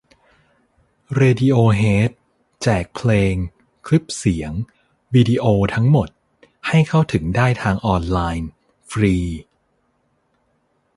เรดิโอเฮด แจกเพลง คลิปเสียง วิดีโอทั้งหมด ให้เข้าถึงได้ทางออนไลน์ ฟรี